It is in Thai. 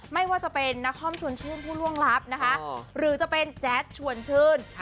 ไม่ว่าจะเป็นนครชวนชื่นผู้ล่วงลับนะคะหรือจะเป็นแจ๊ดชวนชื่น